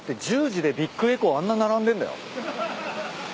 １０時でビッグエコーあんな並んでんだよ。